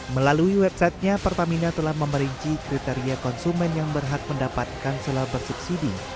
melalui websitenya pertamina telah memerinci kriteria konsumen yang berhak mendapatkan solar bersubsidi